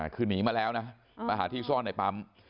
คือหนีมาแล้วนะมาหาที่ซ่อนในปั๊ม